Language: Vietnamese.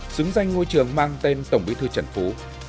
xứng danh ngôi trường mang tên tổng bí thư trần phú